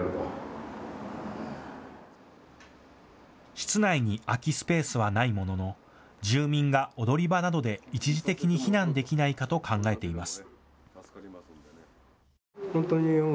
室内に空きスペースはないものの住民が踊り場などで一時的に避難できないかと考えています。